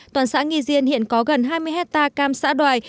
toàn xã nghi diên hiện có gần hai mươi hectare cam xã đoài